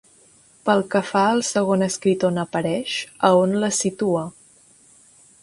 Pel que fa al segon escrit on apareix, a on la situa?